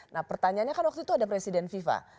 nah pertanyaannya kan waktu itu ada presiden fifa